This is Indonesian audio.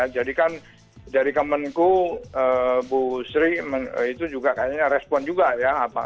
jadi kan dari kemenku bu sri itu juga kayaknya respon juga ya